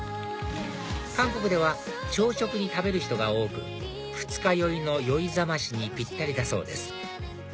韓国では朝食に食べる人が多く二日酔いの酔いざましにぴったりだそうです